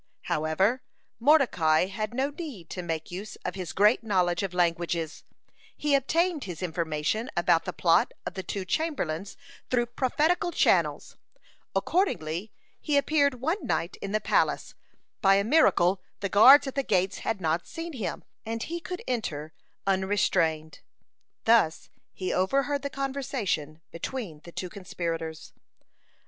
However, Mordecai had no need to make use of his great knowledge of languages; he obtained his information about the plot of the two chamberlains through prophetical channels. Accordingly, he appeared one night in the palace. By a miracle the guards at the gates had not seen him, and he could enter unrestrained. Thus he overheard the conversation between the two conspirators.